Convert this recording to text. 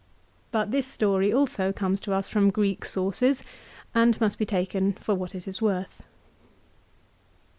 But this story also comes to us from Greek sources and must be taken for what it is worth.